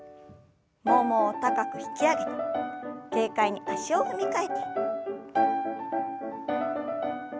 ももを高く引き上げて軽快に足を踏み替えて。